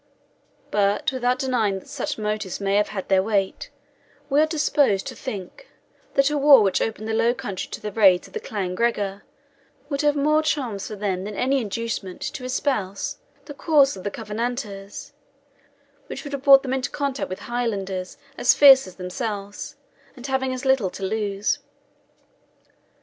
But, without denying that such motives may have had their weight, we are disposed to think, that a war which opened the low country to the raids of the clan Gregor would have more charms for them than any inducement to espouse the cause of the Covenanters, which would have brought them into contact with Highlanders as fierce as themselves, and having as little to lose.